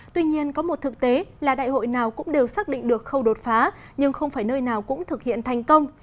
tuy nhiên có một thực tế là đại hội nào cũng đều xác định được khâu đột phá nhưng không phải nơi nào cũng thực hiện thành công